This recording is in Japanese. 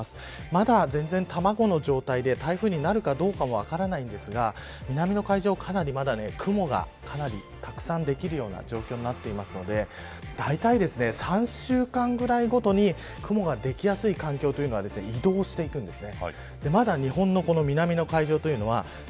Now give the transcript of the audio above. まだ全然、卵の状態で台風になるかどうかも分からないんですが南の海上、かなりまだ雲がたくさんできるような状況になっているのでだいたい３週間ぐらいごとに雲ができやすい環境というのが移動していくんです。